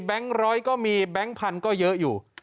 แบนก์ฐร้อยก็มีแบนก์พันธุ์ก็เยอะอยู่